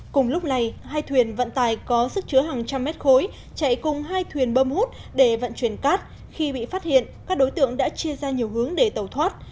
cùng lúc này hai thuyền vận tài có sức chứa hàng trăm mét khối chạy cùng hai thuyền bơm hút để vận chuyển cát khi bị phát hiện các đối tượng đã chia ra nhiều hướng để tẩu thoát